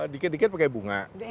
dikit dikit pakai bunga